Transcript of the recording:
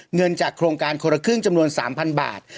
เงินจากโครงการคนละครึ่งจำนวน๓๐๐บาท